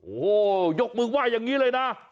โอ้โหยกมือไหว้อย่างนี้เลยนะ